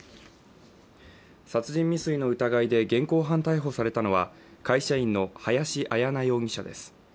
殺人未遂の疑いで現行犯逮捕されたのは会社員の林絢奈容疑者です。